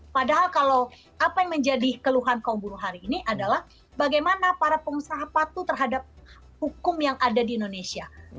padahal kalau apa yang menjadi keluhan kaum buruh hari ini adalah bagaimana para pengusaha patuh terhadap hukum yang ada di indonesia